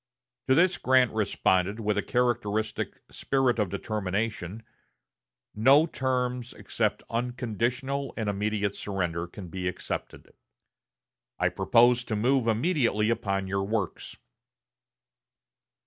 To this Grant responded with a characteristic spirit of determination: "No terms except unconditional and immediate surrender can be accepted. I propose to move immediately upon your works."